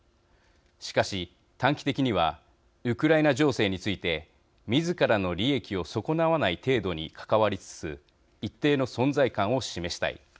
しかし、短期的にはウクライナ情勢についてみずからの利益を損なわない程度に関わりつつ一定の存在感を示したい。